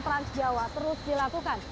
trans jawa terus dilakukan